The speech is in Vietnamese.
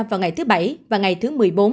vào ngày thứ bảy và ngày thứ một mươi bốn